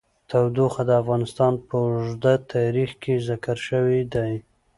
تودوخه د افغانستان په اوږده تاریخ کې ذکر شوی دی.